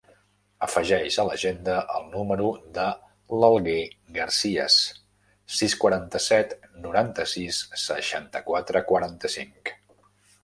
Afegeix a l'agenda el número de l'Alguer Garcias: sis, quaranta-set, noranta-sis, seixanta-quatre, quaranta-cinc.